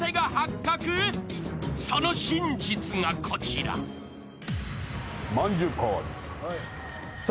［その真実がこちら］まんじゅうパワーです。